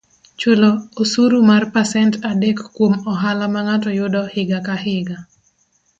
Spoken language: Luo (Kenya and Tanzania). Chulo osuru mar pasent adek kuom ohala ma ng'ato yudo higa ka higa,